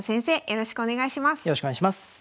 よろしくお願いします。